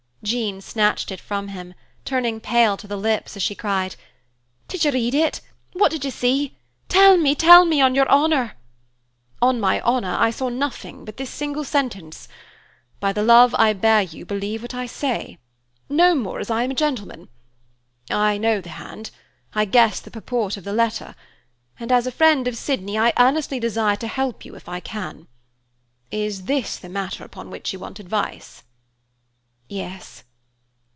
Jean snatched it from him, turning pale to the lips as she cried, "Did you read it? What did you see? Tell me, tell me, on your honor!" "On my honor, I saw nothing but this single sentence, 'By the love I bear you, believe what I say.' No more, as I am a gentleman. I know the hand, I guess the purport of the letter, and as a friend of Sydney, I earnestly desire to help you, if I can. Is this the matter upon which you want advice?" "Yes."